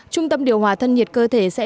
trung tâm điều hòa thân nhiệt cơ thể sẽ